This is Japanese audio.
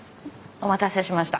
お待たせしました。